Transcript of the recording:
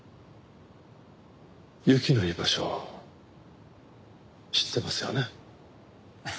侑希の居場所知ってますよね？